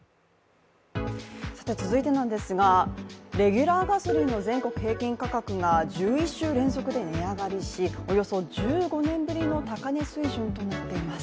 続いてなんですがレギュラーガソリンの全国平均価格が１１週連続で値上がりしおよそ１５年ぶりの高値水準となっています。